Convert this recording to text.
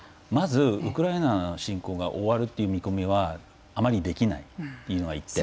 ウクライナの侵攻が終わるという見込みはあまりできないというのが一点。